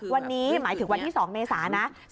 วันนี้หมายถึงวันที่๒เมษานะ